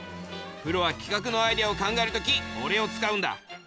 プロは企画のアイデアを考える時おれを使うんだ。